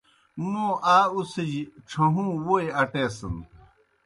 موں آ اُڅِھجیْ ڇھہُوں ووئی اٹیسِن۔